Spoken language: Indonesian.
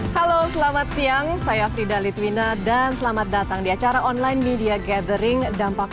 halo selamat siang saya frida litwina dan selamat datang di acara online media gathering dampak